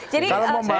jadi kalau mau masuk